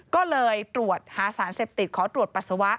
ก็เลยตรวจหาสารเสพติดขอตรวจปัสสาวะ